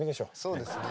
そうですね。